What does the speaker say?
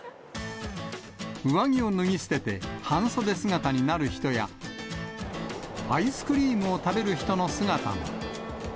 上着を脱ぎ捨てて、半袖姿になる人や、アイスクリームを食べる人の姿も。